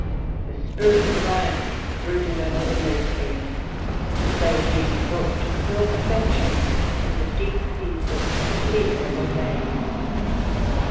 the Spirit of the vine brooded over her nurslings as they were being brought to pure perfection in the deep peace of seasonable days.